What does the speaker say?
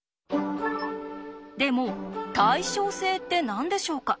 でも「対称性」って何でしょうか？